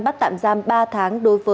bắt tạm giam ba tháng